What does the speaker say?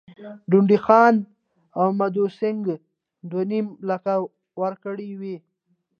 ډونډي خان او مدو سینګه دوه نیم لکه ورکړي وای.